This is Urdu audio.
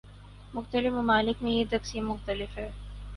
مختلف ممالک میں یہ تقسیم مختلف ہے۔